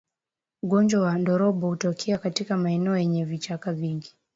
Ugonjwa wa ndorobo hutokea katika maeneo yenye vichaka vingi